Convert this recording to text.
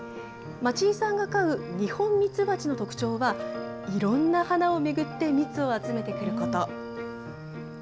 町井さんが飼うニホンミツバチの特徴は、いろんな花を巡って蜜を集めてくること。